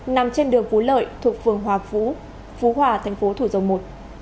nằm trên đường phú lợi thuộc phường hòa phú phú hòa tp thủ dầu một